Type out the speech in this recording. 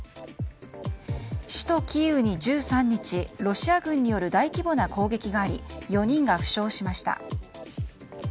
首都キーウに１３日ロシア軍による大規模な攻撃があり４人が負傷しました。